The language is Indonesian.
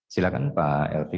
silakan pak elvi